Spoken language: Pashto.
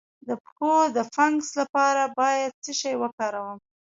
د پښو د فنګس لپاره باید څه شی وکاروم؟